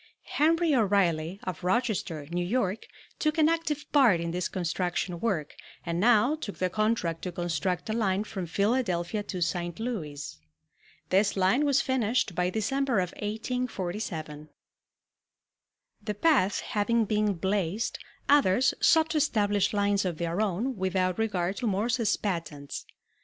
Henry O'Reilly, of Rochester, New York, took an active part in this construction work and now took the contract to construct a line from Philadelphia to St. Louis. This line was finished by December of 1847. The path having been blazed, others sought to establish lines of their own without regard to Morse's patents.